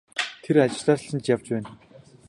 Тэр ажлаар чинь л явж байна.